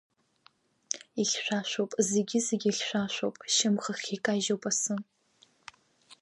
Ихьшәашәоуп, зегьы-зегьы хьшәашәоуп, Шьамхахьы икажьуп асы.